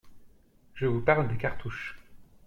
Je vous parle des cartouches.